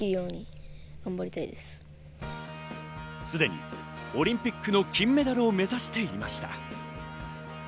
すでにオリンピックの金メダルを目指していました。